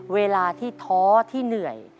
เวลาที่ท้อที่เหนื่อย